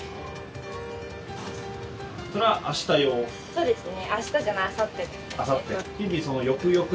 そうですね。